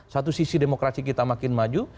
satu sisi demokrasi kita makin maju